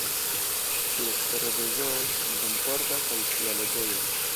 Direktoro de zoo ŝin kunportas al sia loĝejo.